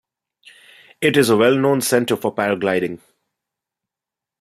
It is a well-known centre for paragliding.